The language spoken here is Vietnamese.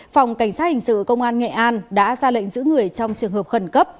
phòng cảnh sát hình sự công an nghệ an đã ra lệnh giữ người trong trường hợp khẩn cấp